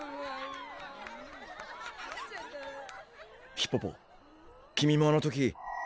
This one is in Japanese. ヒポポ君もあの時。